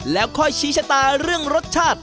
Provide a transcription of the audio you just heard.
แล้วค่อยชี้ชะตาเรื่องรสชาติ